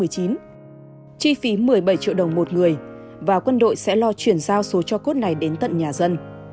chi phí một mươi bảy triệu đồng một người và quân đội sẽ lo chuyển giao số cho cốt này đến tận nhà dân